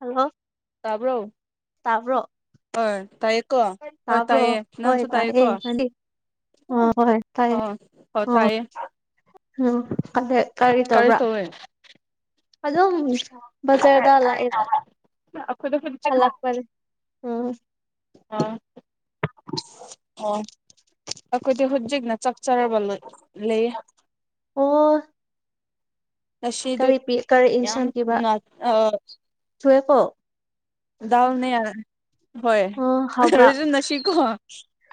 hello ꯇꯥꯕ꯭ꯔꯣ ꯇꯕꯔꯣ ꯍꯣꯏ ꯇꯥꯏꯌꯦꯀꯣ ꯍꯣꯏ ꯇꯥꯏꯌꯦ ꯍꯣꯏ ꯅꯝꯁꯨ ꯇꯥꯏꯦ ꯇꯥꯏꯌꯦ ꯀꯣ ꯅꯪꯗꯤ ꯑꯣ ꯍꯣꯏ ꯑ ꯇꯥꯏꯌꯦ ꯍ ꯑꯣ ꯊꯑꯌꯦ ꯎꯝ ꯀꯔꯤ ꯇꯧꯕ꯭ꯔꯥ ꯇꯧꯋꯦ ꯑꯗꯨꯝ ꯕꯖꯔꯗ ꯂꯥꯛꯑꯦꯕ ꯑꯩꯈꯣꯏꯗ ꯐꯜꯂꯥꯛꯄꯔꯦ ꯎꯝ ꯑꯥ ꯑꯣ ꯑꯩꯈꯣꯏꯗꯤ ꯍꯧꯖꯤꯛꯅ ꯆꯥꯛ ꯆꯔꯕ ꯂꯩꯌꯦ ꯑꯣ ꯉꯁꯤꯗꯣ ꯀꯔꯤꯤ ꯀꯔꯤ ꯏꯟꯁꯥꯟ ꯄꯤꯕ ꯌꯥꯝꯅ ꯊꯨꯑꯦꯀꯣ ꯗꯥꯎꯅꯦ ꯑꯣ ꯍꯥꯎꯕ꯭ꯔꯥ ꯍꯣꯏꯖꯟꯅꯁꯤꯀꯣ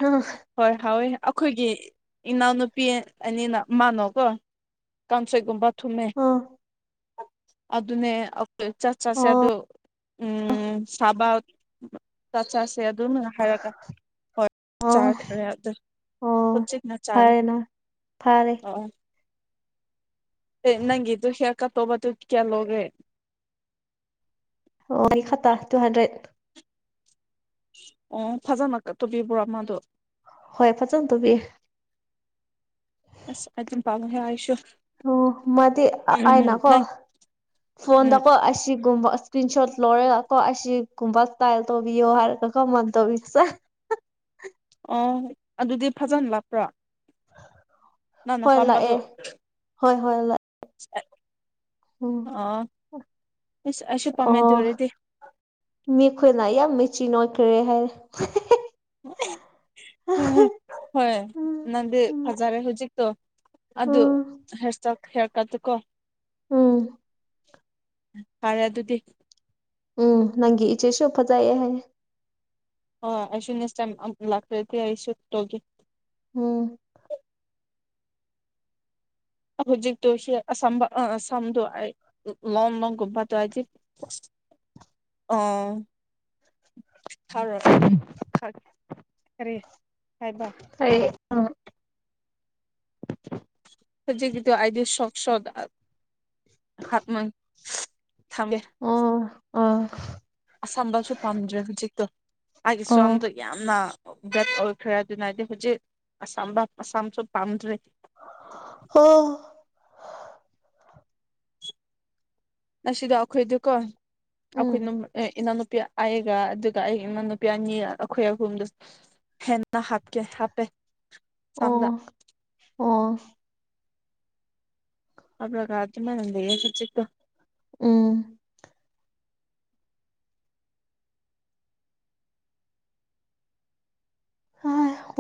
ꯑ ꯍꯣꯏ ꯍꯥꯎꯋꯦ ꯑꯩꯈꯣꯏꯒꯤ ꯏꯅꯥꯎꯅꯨꯄꯤ ꯑꯅꯤꯅ ꯃꯥꯅꯣꯀꯣ ꯀꯟꯁꯦꯒꯨꯝꯕ ꯊꯨꯝꯃꯦ ꯑꯣ ꯑꯗꯨꯅꯦ ꯑꯩꯈꯣꯏ ꯆꯠ ꯆꯠꯁꯦ ꯑ ꯑꯣ ꯑꯗꯨ ꯎꯝ ꯁꯥꯕ ꯆꯥꯛ ꯆꯁꯦ ꯑꯗꯨꯅ ꯍꯥꯏꯔꯒ ꯍꯣꯏ ꯑꯣ ꯆꯥꯈ꯭ꯔꯦ ꯑꯗ ꯑꯣ ꯈꯨꯖꯤꯤꯛꯅ ꯆꯥꯔꯦ ꯐꯔꯦꯅ ꯐꯔꯦ ꯑ ꯑꯦ ꯅꯪꯒꯤꯗꯨ ꯍꯌꯥꯔꯀꯠꯇꯧꯕꯗꯨ ꯀꯌꯥ ꯂꯣꯒꯦ ꯑꯩ ꯈꯠꯇ ꯇꯨꯍꯟꯗ꯭ꯔꯦꯠ ꯑꯣ ꯐꯖꯅ ꯀꯠꯇꯣꯕꯤꯕ꯭ꯔꯣ ꯃꯥꯗꯣ ꯍꯣꯏ ꯐꯖꯅ ꯇꯣꯕꯤ ꯑꯁ ꯑꯩꯗꯤ ꯄꯥꯝꯃꯦꯍꯦ ꯑꯩꯁꯨ ꯑꯣ ꯃꯥꯗꯤ ꯍꯥꯏꯅ ꯎꯝ ꯀꯣ ꯅꯪ ꯎꯝ ꯐꯣꯟꯗꯀꯣ ꯑꯁꯤ ꯒꯨꯝꯕ ꯏꯁꯀ꯭ꯔꯤꯟ ꯁꯣꯠ ꯂꯣꯏꯔꯒ ꯀꯣ ꯑꯁꯤꯒꯨꯝꯕ ꯏꯁꯇꯥꯏꯜ ꯇꯧꯕꯤꯌꯣ ꯍꯥꯏꯔꯒꯀꯣ ꯃꯅꯥ ꯇꯧꯕꯤꯕꯁꯦ [inaudible] ꯑꯣ ꯑꯗꯨꯗꯤ ꯐꯖꯅ ꯂꯥꯛꯄ꯭ꯔꯣ ꯅꯪꯅ ꯍꯣꯏ ꯄꯥꯝꯕꯗꯣ ꯂꯥꯛꯑꯦ ꯍꯣꯏ ꯍꯣꯏ ꯂꯥꯛꯑꯦ ꯎꯝ ꯑꯣ ꯑꯩꯁꯨ ꯄꯥꯝꯃꯦ ꯗꯨꯑꯣꯏꯔꯗꯤ ꯑꯩꯈꯣꯏꯅ ꯌꯥꯝ ꯃꯦꯆꯤꯟ ꯑꯣꯏꯈ꯭ꯔꯦ ꯍꯥꯏꯔꯦ ꯍꯣꯏ ꯎꯝ ꯅꯪꯗꯤ ꯎꯝ ꯐꯖꯔꯦ ꯍꯧꯖꯤꯛꯇꯛꯇꯣ ꯑꯗꯨ ꯎꯝ ꯍꯦꯏꯔꯏꯁꯂꯥꯏꯜ ꯍꯌꯥꯔꯀꯠꯇꯨꯀꯣ ꯎꯝ ꯐꯔꯦ ꯑꯗꯨꯗꯤ ꯎꯝ ꯅꯪꯒꯤ ꯏꯆꯦꯁꯨ ꯐꯖꯩ ꯍꯥꯏꯌꯦ ꯍꯣꯏ ꯑꯩꯁꯨ ꯅꯦꯛꯁ ꯇꯥꯏꯝ ꯂꯥꯛꯂꯗꯤ ꯑꯩꯁꯨ ꯇꯧꯒꯦ ꯎꯝ ꯍꯧꯖꯤꯛꯇꯨ ꯁꯤ ꯁꯝꯕ ꯑ ꯁꯝꯗꯨꯣ [unintelligible] [unintelligible] [unintelligible] ꯍꯧꯖꯤꯛꯀꯤꯗꯣ ꯑꯥꯏꯗꯤ ꯁꯣꯛꯁꯣꯗ [unintelligible] ꯑꯣ ꯑꯥ ꯑꯁꯝꯕꯁꯨ ꯄꯥꯝꯗ꯭ꯔꯦ ꯍꯧꯖꯤꯛꯇꯣ ꯑꯩꯒꯤ ꯑꯥ ꯁꯝꯗꯣ ꯌꯥꯝꯅ ꯒꯠ ꯑꯣꯏꯈ꯭ꯔꯦ ꯑꯗꯨꯅ ꯑꯩꯗꯤ ꯍꯧꯖꯤꯛ ꯑꯁꯥꯝꯕ ꯑꯁꯥꯝꯁꯨ ꯄꯥꯝꯗ꯭ꯔꯦ ꯑꯣ ꯑꯁꯤꯁꯤꯗ ꯑꯈꯣꯏꯗ ꯀꯣ ꯎꯝ ꯑꯩꯈꯣꯏ ꯏꯅꯥꯎꯅꯨꯄꯤ ꯑꯩꯒ ꯑꯗꯨꯒ ꯑꯩ ꯏꯅꯥꯎꯅꯨꯄꯤ ꯑꯅꯤ ꯑꯩꯈꯣꯏ ꯑꯍꯨꯝꯗꯨ ꯍꯦꯟꯅ ꯍꯥꯞꯀꯦ ꯍꯥꯞꯄꯦ ꯁꯝꯗ ꯑꯣ ꯑꯣ ꯍꯥꯞꯂꯒ ꯑꯗꯨꯃꯥꯏꯅꯥ ꯂꯩꯌꯦ ꯍꯧꯖꯤꯛꯇꯣ ꯎꯝ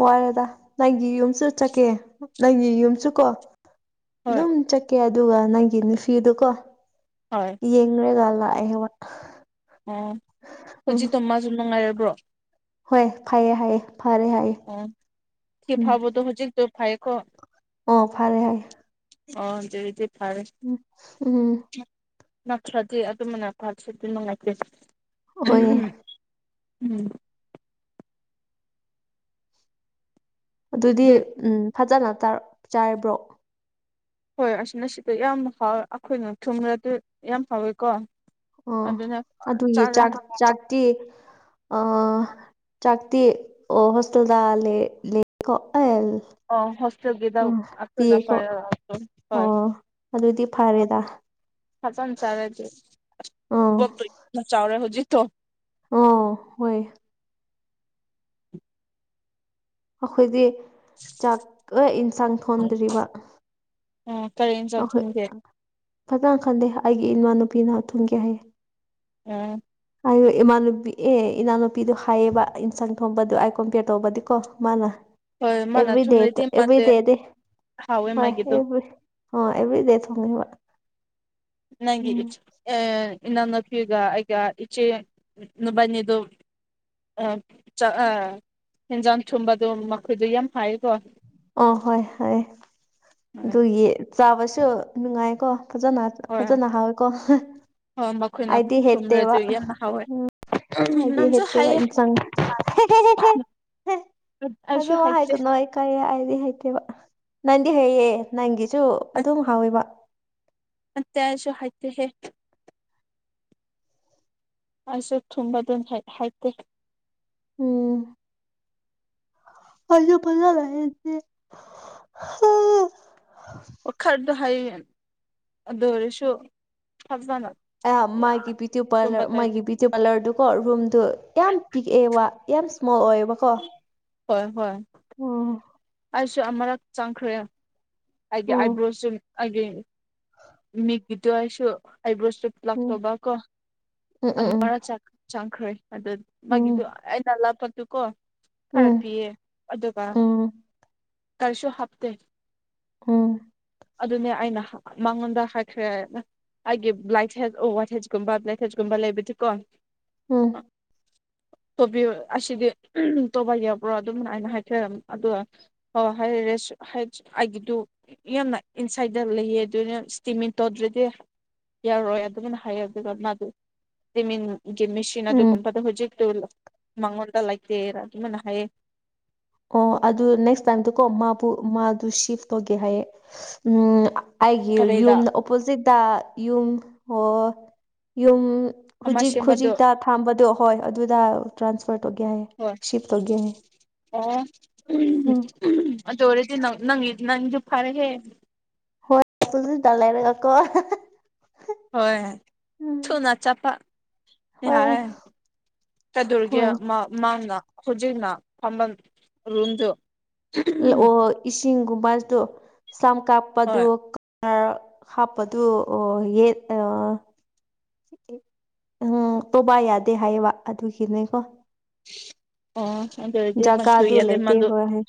ꯋꯥꯔꯦꯗ ꯅꯪꯒꯤ ꯌꯨꯝꯁꯨ ꯆꯠꯀꯦ ꯅꯪꯒꯤ ꯌꯨꯝꯁꯨ ꯀꯣ ꯍꯣꯏ ꯑꯗꯨꯝ ꯆꯠꯀꯦ ꯑꯗꯨꯒ ꯅꯪꯒꯤ ꯅꯨꯄꯤꯗꯨꯀꯣ ꯍꯣꯏ ꯌꯦꯡꯔꯒꯥ ꯂꯥꯛ ꯑꯦ ꯑꯣ ꯍꯧꯖꯤꯠꯇꯣ ꯃꯥꯁꯨ ꯅꯨꯡꯉꯥꯏꯔꯕ꯭ꯔꯣ ꯍꯣꯏ ꯍꯥꯏꯌꯦ ꯍꯥꯏꯑꯌꯦ ꯑꯣ ꯁꯤ ꯐꯕꯗꯣ ꯍꯧꯖꯤꯛꯛꯇꯣ ꯐꯩꯌꯦꯀꯣ ꯑꯣ ꯐꯔꯦ ꯍꯥꯏ ꯑꯣ ꯑꯗꯨꯗꯤ ꯎꯝ ꯎꯝ ꯅꯛꯈ꯭ꯔꯗꯤ ꯑꯗꯨꯝꯕꯅꯛꯄꯥꯁꯤꯗꯤ ꯅꯨꯡꯉꯥꯏꯇꯦ ꯍꯣꯏꯌꯦ ꯎꯝ ꯑꯗꯨꯗꯤ ꯑꯗꯨ ꯎꯝ ꯐꯖꯅ ꯆꯥꯔꯤꯕ꯭ꯔꯣ ꯍꯣꯏ ꯑꯁꯤꯅ ꯁꯤꯗ ꯌꯥꯝ ꯍꯥꯎꯋꯦ ꯑꯩꯈꯣꯏꯅ ꯊꯨꯡꯅꯗꯤ ꯌꯥꯝ ꯍꯥꯎꯋꯦꯀꯣ ꯑꯣ ꯑꯗꯨꯅ ꯑꯗꯨꯒꯤ ꯆꯥꯔ ꯆꯥꯛ ꯆꯥꯛꯇꯤ ꯑ ꯆꯥꯛꯇ ꯑꯣ ꯍꯣꯁꯇꯦꯜꯗ ꯂꯩꯦ ꯑꯣ ꯍꯣ ꯁꯗꯥ ꯑꯅꯄꯥ ꯍꯣꯏ ꯑꯣ ꯑꯗꯨꯗꯤ ꯍ ꯐꯔꯦꯗ ꯐꯖꯅ ꯆꯥꯔꯦꯗꯤ ꯑꯥ ꯑꯁ ꯌꯥꯝ ꯆꯥꯎꯔꯦ ꯍꯧꯖꯤꯛꯠꯇꯣ ꯑꯣ ꯍꯣꯏ ꯑꯩꯈꯣꯏꯗꯤ ꯆꯥꯛ ꯌꯦꯟꯁꯥꯡ ꯊꯣꯟꯗ꯭ꯔꯤꯕ ꯑ ꯀꯔꯤ ꯏꯟꯖꯥꯡ ꯑꯩꯈꯣꯏ ꯊꯨꯝꯒꯦ ꯐꯖꯅ ꯈꯟꯗꯦ ꯑꯩꯒꯤ ꯏꯃꯅꯨꯄꯤꯅ ꯊꯨꯡꯒꯦ ꯍꯥꯏꯌꯦ ꯎꯝ ꯑꯩ ꯏꯃꯥꯟꯅꯨꯄꯤ ꯑꯦ ꯏꯅꯥꯎꯅꯨꯄꯤꯗꯨꯣ ꯍꯥꯏꯌꯦꯕ ꯏꯟꯁꯥꯡ ꯊꯣꯡꯕꯗꯣ ꯑꯩꯥꯏ ꯀꯣꯝꯄꯦꯌꯔ ꯇꯧꯕꯗꯤꯀꯣ ꯃꯥꯅ ꯍꯣꯏ ꯃꯥꯅ ꯑꯦꯚꯔꯤ ꯗꯦ ꯊꯨꯝꯔꯗꯤ ꯑꯦꯚꯔꯤ ꯃꯥꯗꯤ ꯗꯦꯗꯤ ꯍꯥꯎꯋꯦ ꯃꯥꯒꯤꯗꯣ ꯍꯣꯏꯚꯔꯤ ꯑꯣ ꯑꯦꯕ꯭ꯔꯤ ꯗꯦ ꯊꯣꯡꯉꯦꯕ ꯅꯪꯒꯤ ꯎꯝ ꯑ ꯏ ꯅ ꯅ ꯐꯨꯒ ꯑꯩꯒ ꯏꯆꯦꯕꯅꯤꯗꯨ ꯑ ꯑ ꯌꯦꯟꯖꯥꯡ ꯊꯨꯝꯕꯗꯣ ꯃꯈꯣꯏꯗꯣ ꯌꯥꯝ ꯍꯥꯏꯀꯣ ꯑꯣ ꯍꯣꯏ ꯍꯣꯏ ꯎꯝ ꯑꯗꯨꯒꯤ ꯆꯥꯕꯁꯨ ꯅꯨꯡꯉꯥꯏꯀꯣ ꯐꯖꯅ ꯍꯣꯏ ꯐꯖꯅ ꯍꯥꯏꯥꯎꯀꯣ ꯍꯣꯏ ꯃꯈꯣꯏꯅ ꯍꯥꯏꯗꯤ ꯍꯦꯠꯇꯦ ꯋꯥ ꯊꯨꯝꯔꯗꯤ ꯌꯥꯝꯅ ꯍꯥꯎꯋꯦ ꯑꯗꯤ ꯅꯪꯁꯨ ꯍꯦꯠꯇꯦꯕ ꯍꯥꯏꯌꯦ ꯏꯟ ꯆ ꯑꯩꯁꯨ ꯑꯣ ꯋꯥ ꯍꯩꯇꯦ ꯍꯥꯏꯒꯅꯣ ꯑꯩ ꯀꯥꯏ ꯍꯥꯏꯗꯤ ꯍꯩꯇꯦꯕ ꯅꯪꯗꯤ ꯍꯩꯑ ꯅꯪꯒꯤꯁꯨ ꯑꯗꯨꯝ ꯍꯥꯎꯋꯦꯕ ꯑꯠꯇ ꯆ ꯍꯥꯏꯗ ꯍ ꯑꯩꯁꯨꯦ ꯊꯨꯝꯕꯗꯨꯅ ꯍꯥꯏꯇꯦ ꯎꯝ ꯑꯁꯨꯣ ꯄꯖ ꯂꯁꯦ ꯋꯥꯈꯔꯗꯣ ꯍꯥꯏꯌꯦ ꯑꯗꯨ ꯑꯣꯏꯔꯁꯨ ꯆꯞꯖꯥꯅꯕ ꯑꯌꯥꯝ ꯃꯥꯒꯤ ꯕꯌꯨꯇꯤ ꯄꯥꯔꯂꯔ ꯃꯥꯒꯤ ꯕꯌꯨꯇꯤ ꯄꯥꯔꯂꯔꯗꯨꯀꯣ ꯔꯨꯝꯗꯨ ꯌꯥꯝ ꯄꯤꯛꯑꯦ ꯋꯥ ꯌꯥꯝ ꯏꯁꯃꯣꯜ ꯑꯣꯏꯌꯦꯕꯀꯣ ꯍꯣꯏ ꯍꯣꯏ ꯎꯝ ꯑꯩꯁꯨ ꯑꯃꯛ ꯆꯪꯈ꯭ꯔꯦ ꯑꯩꯒꯤ ꯎꯝ ꯑꯥꯏꯕ꯭ꯔꯣꯁꯨ ꯑꯩꯒꯤ ꯃꯤꯒꯤꯗꯣ ꯑꯩꯁꯨ ꯑꯥꯏꯕ꯭ꯔꯣꯁꯇ ꯎꯝ ꯂꯥꯛꯇꯧꯕ ꯀꯣ ꯎꯝ ꯑꯃꯔ ꯆ ꯆꯥꯡꯈ꯭ꯔꯩ ꯑꯗꯨ ꯃꯥꯒꯤꯗꯨ ꯎꯝ ꯑꯩꯅꯜ ꯂꯥꯞꯄꯠꯇꯨ ꯀꯣ ꯈꯔ ꯎꯝ ꯄꯤꯌꯦ ꯑꯗꯨꯒ ꯎꯝ ꯀꯔꯤꯁꯨ ꯍꯥꯞꯇꯦ ꯎꯝ ꯑꯗꯨꯅꯦ ꯑꯩꯅ ꯃꯉꯣꯟꯗ ꯍꯥꯏꯈ꯭ꯔꯦ ꯑꯩꯒꯤ ꯕ꯭ꯂꯥꯏ ꯍꯦꯖ ꯋꯥꯠ ꯍꯦꯖꯀꯨꯝꯕ ꯕ꯭ꯂꯦꯛ ꯍꯦꯖꯀꯨꯝꯕ ꯂꯩꯕꯗꯤꯀꯣ ꯎꯝ ꯇꯣꯕꯤ ꯑꯁꯤꯗꯤ ꯇꯣꯕꯥ ꯌꯥꯎꯕ꯭ꯔꯣ ꯑꯗꯨꯝꯅ ꯍꯥꯏꯅ ꯍꯥꯏꯊꯔꯝ ꯑꯗꯨꯒ ꯍꯣꯏ ꯍꯥꯏ ꯔꯦ ꯑꯩꯒꯤꯗꯨ ꯌꯥꯝꯅ ꯏꯟꯁꯥꯏꯗ ꯂꯩꯌꯦ ꯑꯗꯨꯅ ꯏꯁꯇꯤꯃꯤꯟ ꯇꯧꯗ꯭ꯔꯗꯤ ꯌꯥꯔꯣꯏ ꯑꯗꯨꯃꯥꯏꯅ ꯍꯥꯏ ꯑꯗꯨꯒ ꯃꯥꯗꯨ ꯏꯁꯇꯤꯃꯤꯟ ꯒꯤ ꯃꯦꯆꯤꯟ ꯎꯝ ꯑꯗꯨꯒꯨꯝꯕꯗ ꯍꯧꯖꯤꯛꯇꯨ ꯃꯉꯣꯟꯗ ꯂꯩꯇꯦꯅ ꯑꯗꯨꯃꯥꯏꯅ ꯍꯥꯏꯌꯦ ꯑꯣ ꯑꯗꯨ ꯅꯦꯛꯁ ꯇꯥꯏꯝꯗꯀꯣ ꯃꯥꯕꯨ ꯃꯥꯗꯨ ꯁꯤꯐ ꯇꯧꯒꯦ ꯍꯥꯏꯌꯦ ꯎꯝ ꯑꯩꯒꯤ ꯀꯔꯤꯗ ꯌꯨꯝꯗ ꯑꯣꯄꯣꯖꯤꯠꯇ ꯌꯨꯝ ꯑꯣ ꯌꯨꯝ ꯑꯃ ꯍꯧꯖꯤꯛ ꯁꯦꯝꯕꯗꯣ ꯍꯧꯖꯤꯛꯇ ꯊꯥꯝꯕꯗꯣ ꯍꯣꯏ ꯑꯗꯨꯗ ꯇ꯭ꯔꯥꯟꯁꯐꯔ ꯇꯧꯒꯦ ꯍꯥꯏ ꯍꯣꯏ ꯁꯤꯐ ꯇꯧꯒꯦ ꯍꯥꯏ ꯑꯣ ꯑꯗꯧꯔꯦꯗꯤ ꯅꯪ ꯅꯪ ꯅꯪ ꯗꯨ ꯐꯔꯦ ꯍꯦ ꯍꯣꯏ ꯄꯨꯁꯨ ꯇꯂꯥꯏꯔꯒꯀꯣ ꯍꯣꯏ ꯁꯨꯅꯥ ꯆꯥ ꯄ ꯌꯥ ꯍꯣꯏ ꯆꯗꯨꯔꯒꯤ ꯍꯣꯏ ꯃꯥꯅ ꯍꯧꯖꯤꯛꯅ ꯐꯝꯝꯕ ꯔꯨꯝꯗꯨ ꯑꯣ ꯏꯁꯤꯡꯒꯨꯝꯕꯗ ꯁꯝ ꯀꯥꯞꯄꯗ ꯍꯣꯏ ꯔ ꯍꯥꯞꯄꯗꯨ ꯑꯣ ꯌꯦꯠ ꯎꯝ ꯇꯣꯕꯥ ꯌꯥꯗꯦ ꯍꯥꯏꯌꯦꯕ ꯑꯗꯨꯒꯤꯅꯦꯀꯣ ꯑꯣ ꯑꯗꯗꯤ ꯃꯁꯨꯨꯏ ꯖꯒꯥꯗꯨ ꯌꯥꯗ ꯂꯩꯇꯦ ꯃꯗꯨ ꯍꯣꯏ ꯍꯣꯏ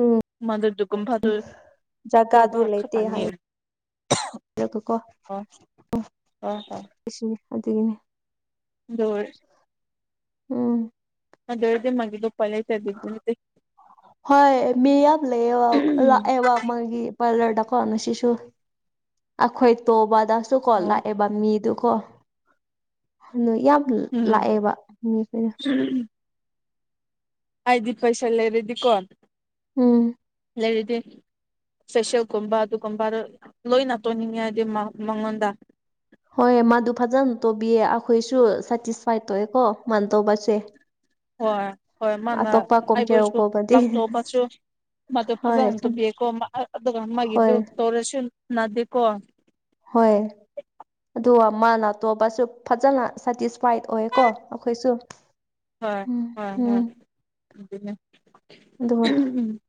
ꯎꯝ ꯃꯗꯨꯗꯨꯒꯨꯝ ꯐꯥꯗꯨ ꯖꯒꯥꯗꯨ ꯂꯩꯇ ꯍꯥꯏ ꯀꯣ ꯑꯣ ꯎꯝ ꯍꯣꯏ ꯁꯤꯅꯤ ꯑꯗꯨꯒꯤꯅꯦ ꯍꯣꯏ ꯎꯝ ꯑꯗꯔꯗꯤ ꯃꯥꯒꯤ ꯂ ꯍꯣꯏ ꯃ ꯂꯩꯕ ꯃꯥꯒꯤ ꯄꯂꯔꯗꯀꯣꯟꯅ ꯁꯤꯁꯨ ꯑꯩꯈꯣꯏ ꯇꯣꯕꯗ ꯁꯨ ꯑꯣ ꯀꯣꯂꯥꯛ ꯑꯦꯕ ꯃꯤꯗꯨ ꯀꯣ ꯅꯣꯏ ꯌꯥꯝ ꯎꯝ ꯂꯥꯛꯑꯦꯕ ꯃꯤꯈꯅ ꯑꯩꯗꯤ ꯄꯩꯁꯥ ꯂꯩꯔꯦꯗꯤ ꯀꯣꯟ ꯎꯝ ꯂꯩꯗꯤꯦ ꯐꯦꯁꯤꯌꯦꯦꯜꯒꯨꯝꯕ ꯑꯗꯨꯒꯨꯝꯕ ꯂꯣꯏꯅ ꯇꯣꯏꯅꯤꯡꯉꯦ ꯍꯥꯏꯗꯤ ꯃꯉꯣꯟꯗ ꯍꯣꯏ ꯃꯥꯗꯨ ꯐꯖꯅ ꯇꯧꯕꯤꯌꯦ ꯑꯩꯈꯣꯏꯁꯨ ꯁꯦꯇꯤꯁꯐꯥꯏꯠ ꯇꯧꯑꯦꯀꯣ ꯃꯥꯅ ꯇꯧꯕꯁꯦ ꯍꯣꯏ ꯍꯣꯏ ꯃꯥꯅ ꯑꯇꯣꯞꯄ ꯀꯣꯝꯄꯤꯌꯔ ꯑꯩꯕꯨꯁꯨ ꯀꯧꯕꯗꯤ ꯂꯥꯛꯊꯣꯛ ꯃ ꯃꯗꯨ ꯍꯣꯏ ꯐꯖꯅ ꯇꯨꯝꯕꯤꯑꯀꯣ ꯑꯗꯨꯒ ꯃꯥꯒꯤꯗꯨ ꯍꯣꯏ ꯇꯧꯔꯁꯨ ꯅꯅꯥꯗꯦꯀꯣ ꯍꯣꯏ ꯑꯗꯨꯒ ꯃꯥꯅ ꯇꯣꯞꯄꯁꯨ ꯐꯖꯅꯇꯤꯁ ꯐꯏꯠ ꯑꯣꯏ ꯀꯣ ꯑꯩꯈꯣꯏꯁꯨ ꯍꯣꯏ ꯎꯝ ꯍꯣꯏ ꯎꯝ ꯍꯣꯏ ꯑꯗꯨ ꯑꯗꯨꯒ ꯎꯝ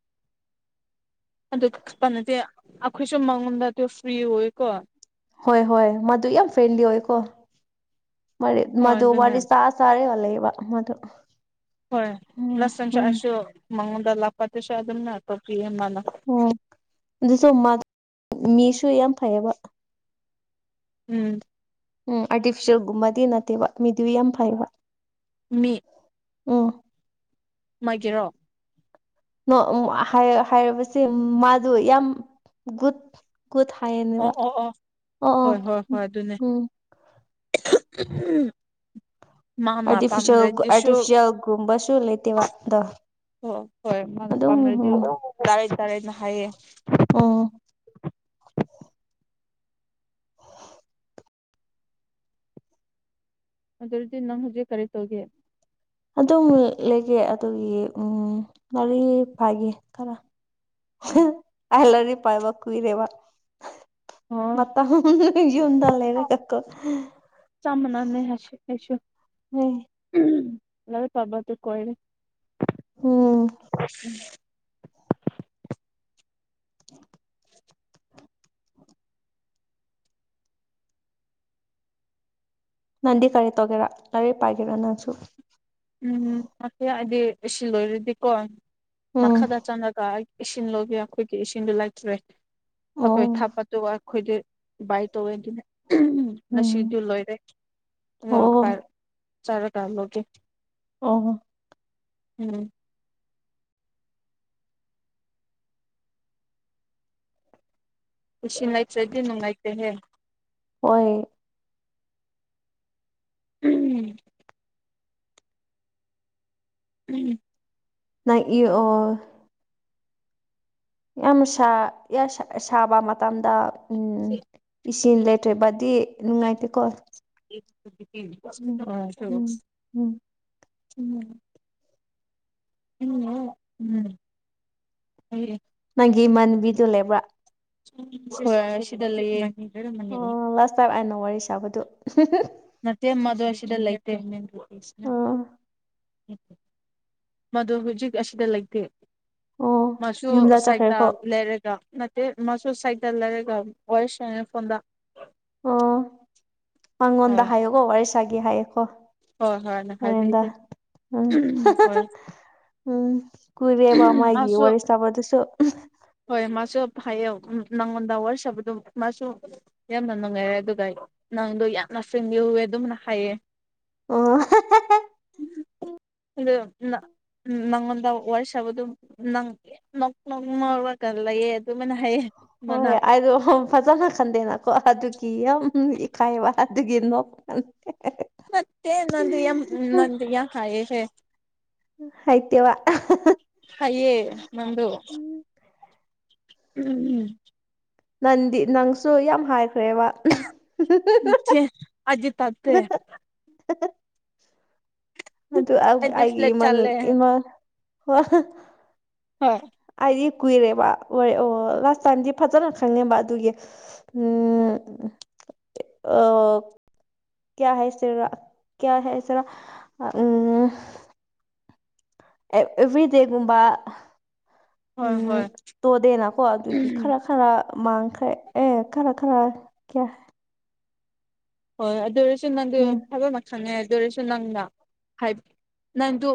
ꯑꯗꯨꯄ ꯅꯠꯇꯦ ꯑꯩꯈꯣꯏꯁꯨ ꯃꯉꯣꯟꯗ ꯑꯗꯨ ꯐ꯭ꯔꯤ ꯑꯣꯏꯀꯣ ꯍꯣꯏ ꯍꯣꯏ ꯃꯥꯗꯨ ꯌꯥꯝ ꯐ꯭ꯔꯦꯟꯂꯤ ꯑꯣꯏꯀꯣ ꯃ ꯍꯣꯏ ꯃꯗꯨ ꯑꯗꯨꯅꯦ ꯋꯥꯔꯤ ꯁꯥ ꯁꯔꯦ ꯍꯂꯦꯕ ꯃꯗꯨ ꯍꯣꯏ ꯎꯝ ꯂꯁꯟ ꯆ ꯎꯝ ꯑꯁ ꯃꯉꯗ ꯂꯥꯛꯄꯥ ꯇꯁ ꯑꯗꯨꯝ ꯅ ꯇ ꯄ ꯑꯣ ꯑꯗꯨꯁꯨ ꯃꯤꯁꯨ ꯌꯥꯝ ꯐꯩꯌꯦꯕ ꯎꯝ ꯎꯝ ꯑꯥꯔꯇꯤꯐꯤꯁꯦꯜꯒꯨꯝꯕꯗꯤ ꯅꯠꯇꯦꯕ ꯃꯤꯗꯨ ꯌꯥꯝ ꯐꯩꯕ ꯑꯣ ꯃꯥꯒꯤꯦꯔꯣ ꯍꯥꯏꯔꯕꯁꯦ ꯃꯥꯗꯨ ꯌꯥꯝ ꯒꯨꯗ ꯀ ꯊꯥꯏꯌꯦꯅꯦꯕ ꯑꯣ ꯑꯣ ꯑꯣ ꯑ ꯎꯝ ꯎꯝ ꯔ ꯑꯥꯔꯇꯤꯐꯤꯁꯦꯜ ꯒꯨꯝꯕꯁꯨ ꯂꯩꯇꯦꯕꯗ ꯑꯣ ꯍꯣꯏ ꯃꯥꯅ ꯄꯥꯝꯅꯔꯗꯤ ꯇꯥꯔ ꯇꯥꯔꯅ ꯍꯥꯏꯌꯦ [unintelligible] ꯑꯗꯨꯔꯗꯤ ꯅꯪ ꯍꯧꯖꯤꯛ ꯀꯔꯤ ꯇꯧꯒꯦ ꯑꯗꯨꯝ ꯂꯩꯒꯦ ꯑꯗꯨꯒꯤ ꯒꯥꯔꯤ ꯐꯥꯏꯒꯦ ꯈꯔ ꯂꯔꯤ ꯄꯥꯏꯕ ꯀꯨꯏꯔꯦꯕ ꯃ ꯑꯣ ꯌꯟꯂꯔ ꯀꯀꯣ ꯆꯝꯅꯅꯦ ꯍꯥꯏꯁꯤ ꯀꯁꯨ ꯎꯝ ꯂ ꯄꯕ ꯇꯨ ꯀꯣꯏꯔ ꯎꯝ [inaudible] ꯅꯟꯗꯤ ꯀꯔꯤ ꯇꯒꯦꯔꯥ ꯅꯔꯦ ꯄꯥꯏꯒꯦꯔꯥ ꯅꯅꯥꯁꯨ ꯎꯝ ꯉ ꯍꯥꯏꯗꯤ ꯑꯁꯤ ꯂꯣꯏꯔꯗꯤꯀꯣ ꯎꯝ ꯃꯈꯥꯗ ꯆꯪꯉꯒ ꯑꯩ ꯏꯁꯤꯡ ꯂꯧꯕꯒ ꯑꯩꯈꯣꯏꯒꯤ ꯏꯁꯤꯡꯗꯣ ꯂꯩꯇ꯭ꯔꯦ ꯑꯣ ꯑꯩꯈꯣꯏ ꯊꯥꯄ ꯑꯗꯨꯒ ꯑꯩꯈꯣꯏꯗꯤ ꯕꯥ ꯇꯧꯋꯦꯟꯗꯤꯅꯦ ꯎ ꯎꯝ ꯉꯁꯤꯗꯨ ꯂꯣꯏꯔꯦ ꯑꯗꯨꯒ ꯑꯣ ꯐ ꯆꯥꯔꯒꯂꯒꯦ ꯑꯣꯣ ꯎꯝ ꯏꯁꯤꯡ ꯂꯩꯇ꯭ꯔꯗꯤ ꯅꯨꯡꯉꯥꯏꯇꯦꯍꯦ ꯍꯣꯏ ꯎꯝ ꯎꯝ ꯅ ꯏ ꯑꯣ ꯌꯥꯝ ꯁꯥꯕ ꯃꯇꯝꯗ ꯎꯝ ꯏꯁꯤꯡ ꯂꯩꯇ꯭ꯔꯕꯗꯤ ꯅꯨꯡꯉꯥꯏꯇꯦꯀꯣ ꯎꯝ ꯎꯝ ꯑꯣ ꯎꯝ ꯎꯝ ꯎꯝ ꯎꯝ ꯍ ꯒꯤ ꯃꯟꯕꯤꯗꯨ ꯂꯩꯕ꯭ꯔꯥ ꯁꯤꯗ ꯂꯩꯔ ꯃꯅꯤ ꯄꯁꯥꯕꯗꯣ ꯅꯠꯇꯦꯃꯗꯨ ꯋꯥꯁꯤꯗ ꯂꯩ ꯂꯩꯇꯦꯄꯤꯁ ꯑꯣ ꯃꯗꯨ ꯍꯧꯖꯤꯛ ꯑꯁꯤꯗ ꯂꯩꯇꯦ ꯑꯣ ꯃꯁꯨ ꯌꯨꯝꯗ ꯁꯥꯏꯗꯥ ꯆꯠꯈ꯭ꯔꯦꯀꯣ ꯂꯩꯔꯒ ꯅꯠꯇꯦ ꯃꯥꯁꯨ ꯁꯥꯏꯠꯜꯗꯔꯦꯒ ꯋꯥꯣꯏꯁ ꯐꯣꯟꯗ ꯑꯣ ꯃꯉꯣꯟꯗ ꯍꯣꯏ ꯍꯥꯏꯌꯣꯀꯣ ꯋꯥꯔꯤꯁꯒꯤ ꯍꯥꯏꯌꯣꯀꯣ ꯍꯣꯏ ꯍꯣꯏ ꯑꯣꯏꯗ ꯍꯥꯏꯕꯤꯒꯦ ꯎꯝ ꯍꯣꯏ ꯎꯝ ꯀꯨꯏꯔꯦꯕ ꯃꯥꯥꯏꯒꯤ ꯃꯥꯁꯨ ꯋꯥꯔꯤ ꯁꯥꯕꯗꯨꯁꯨ ꯍꯣꯏ ꯃꯥꯁꯨ ꯍꯥꯏꯌꯦ ꯅꯪꯉꯣꯟꯗ ꯋꯥꯔꯤ ꯁꯥꯕꯗꯨ ꯃꯥꯁꯨ ꯌꯥꯝꯅ ꯅꯨꯡꯉꯥꯏꯔꯦ ꯑꯗꯨꯒ ꯅꯪꯗꯣ ꯌꯥꯝꯅ ꯃꯁꯤꯡꯕꯤꯎꯨꯋꯦ ꯑꯗꯨꯝꯅ ꯍꯥꯏꯌꯦ ꯑꯣ ꯑꯗꯨꯗ ꯅꯪꯗ ꯋꯥꯔꯁꯕꯗ ꯅꯪ ꯅ ꯅꯪꯣꯕꯂ ꯌꯦ ꯍꯣꯏ ꯑꯩꯗꯣ ꯐꯖꯅ ꯈꯟꯗꯦꯅꯀꯣ ꯑꯗꯨ ꯀ ꯌꯥꯝ ꯏꯈꯥꯏꯕ ꯑꯗꯨꯒꯤꯅꯣ ꯃꯦ ꯅꯪꯗꯨ ꯌꯥꯝ ꯅ ꯌꯥꯝ ꯍꯥꯏꯑꯦ ꯍꯦ ꯍꯥꯏꯥꯏꯇꯦ ꯋꯥ ꯍꯥꯏꯌꯦ ꯎꯝ [inaudible] ꯎꯝ ꯎꯝ ꯅꯪꯗꯤ ꯅꯪꯁꯨ ꯌꯥꯝ ꯍꯥꯏ ꯀꯦ ꯋꯥ ꯆꯦ ꯑꯩꯗꯤ ꯇꯥꯗꯦ ꯑꯗꯨ ꯑꯩꯗꯤ ꯑꯩꯒꯤ ꯐ꯭ꯂꯦꯠ ꯏꯃꯅ ꯆꯠꯂꯦ ꯏꯃꯥ ꯋꯥꯍ ꯍꯣꯏ ꯍꯥꯏꯗꯤ ꯀꯨꯏꯔꯦꯕ ꯑꯣ ꯂꯥꯁ ꯇꯥꯏꯝꯗꯤ ꯐꯖꯅ ꯈꯪꯉꯕ ꯑꯗꯨꯒꯤ ꯎꯝ ꯑꯣ ꯀꯌꯥ ꯍꯥꯏꯁꯦꯔꯥ ꯀꯌꯥ ꯍꯥꯏꯁꯦꯔꯥ ꯎꯝ ꯑꯦ ꯑꯦꯕ꯭ꯔꯤꯗꯦꯒꯨꯝꯕ ꯍꯣꯏ ꯎꯝ ꯍꯣꯏ ꯇꯣꯗꯦꯅꯀꯣ ꯑꯗꯨꯒꯤ ꯈꯔ ꯈꯔ ꯃꯥꯡ ꯑꯦ ꯈꯔ ꯈꯔ ꯀ꯭ꯌꯥ ꯍꯣꯏ ꯑꯗꯨ ꯑꯣꯏꯔꯁꯨ ꯅꯪꯗ ꯎꯝ ꯊꯕꯛ ꯑꯃ ꯈꯪꯉꯦ ꯑꯗꯨ ꯑꯣꯏꯔꯁꯨ ꯅꯪꯅ ꯅꯪꯗ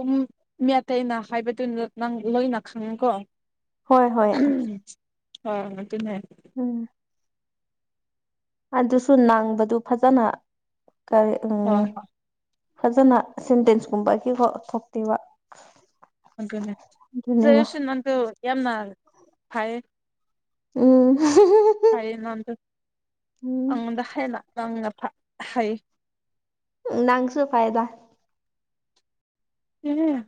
ꯃꯤ ꯑꯇꯩꯅ ꯍꯥꯏꯕꯗꯨꯅ ꯅꯪ ꯂꯣꯏꯅ ꯈꯪꯉꯤꯀꯣ ꯍꯣꯏ ꯍꯣꯏ ꯍ ꯑꯗꯨꯅꯦ ꯎꯝ ꯑꯗꯨꯁꯨ ꯅꯪꯕꯗꯨ ꯐꯖꯅ ꯀꯔꯤ ꯎ ꯍꯣꯏ ꯐꯖꯅ ꯁꯦꯟꯇꯦꯟꯁꯀꯨꯝꯕꯒꯤ ꯊꯣꯛꯇꯕ ꯂꯩꯁꯟ ꯃꯗꯨ ꯌꯥꯝꯅ ꯐꯥꯏ ꯎꯝ ꯍꯥꯏꯌꯦ ꯅꯪꯗꯣ ꯎꯝ ꯑꯉꯣꯟꯗ ꯍꯥꯏꯂ ꯅꯪꯅ ꯍꯥꯏꯌꯦ ꯅꯪꯁꯨ ꯐꯥꯏꯗ ꯎꯝ